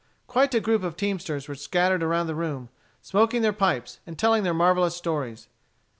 Quite a group of teamsters were scattered around the room, smoking their pipes, and telling their marvellous stories.